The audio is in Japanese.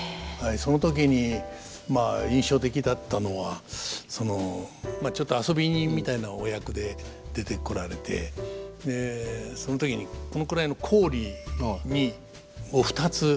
その時にまあ印象的だったのはそのちょっと遊び人みたいなお役で出てこられてその時にこのくらいの行李を２つ持ってこられてですね